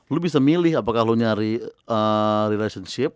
lu bisa milih apakah lu nyari relationship